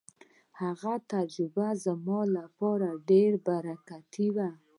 هغه تجربه زما لپاره ډېره برکتي وه.